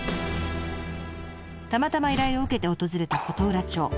たまたま依頼を受けて訪れた琴浦町。